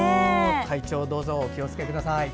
体調どうぞお気をつけください。